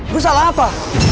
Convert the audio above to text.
lu salah apa